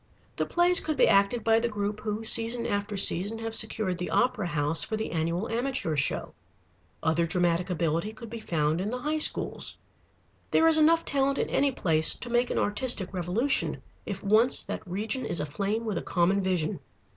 The plays could be acted by the group who, season after season, have secured the opera house for the annual amateur show. Other dramatic ability could be found in the high schools. There is enough talent in any place to make an artistic revolution, if once that region is aflame with a common vision.